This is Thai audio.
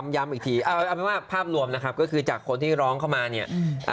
ย้ำอีกทีเอาเป็นว่าภาพรวมนะครับก็คือจากคนที่ร้องเข้ามาเนี่ย